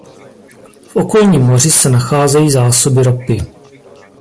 V okolním moři se nacházejí zásoby ropy.